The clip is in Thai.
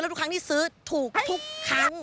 ทุกครั้งที่ซื้อถูกทุกครั้ง